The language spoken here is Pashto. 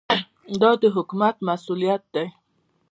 دا د حکومت مسوولیت دی.